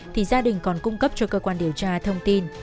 thì gia đình còn cung cấp cho cơ quan điều tra thông tin